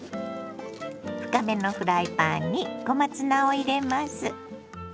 深めのフライパンに小松菜を入れます。